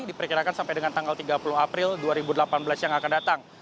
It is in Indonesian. diperkirakan sampai dengan tanggal tiga puluh april dua ribu delapan belas yang akan datang